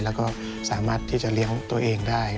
แล้วก็สามารถที่จะเลี้ยงตัวเองได้